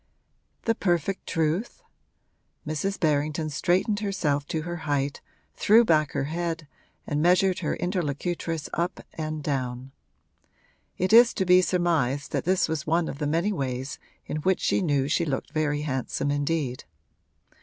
'The perfect truth?' Mrs. Berrington straightened herself to her height, threw back her head and measured her interlocutress up and down; it is to be surmised that this was one of the many ways in which she knew she looked very handsome indeed.